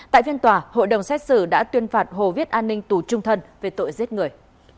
tại phiên tòa hội đồng xét xử đã tuyên phạt hồ viết an ninh tù trung thân về tội giết người